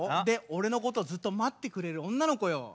で俺のことをずっと待ってくれる女の子よ。